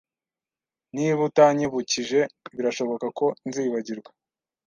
Niba utanyibukije, birashoboka ko nzibagirwa